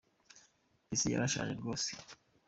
Isi yarashaje rwose.